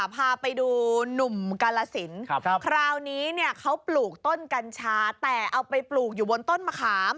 พาไปดูหนุ่มกาลสินคราวนี้เนี่ยเขาปลูกต้นกัญชาแต่เอาไปปลูกอยู่บนต้นมะขาม